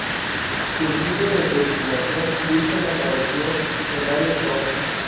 Seguido de su eliminación, Dixon apareció en varios shows.